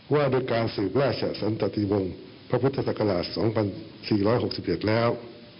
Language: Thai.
ว่าโดยการสืบราชสันตาธิวงพศ๒๔๖๑แล้ว